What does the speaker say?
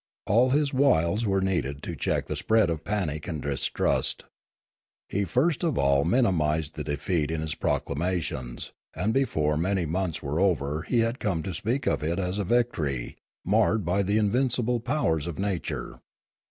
All his wiles were needed to check the spread of panic and distrust. He first of all minimised the defeat in his proclamations, and before many months were over he had come to speak of it as a victory marred by the invincible powers of nature.